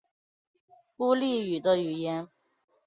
孤立语的语言。